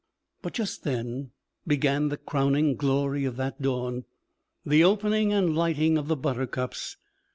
But just then began the crowning glory of that dawn the opening and lighting of the buttercups.